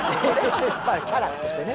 キャラとしてね。